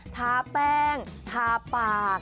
ทาแป้งทาปาก